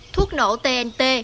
thuốc nổ tnt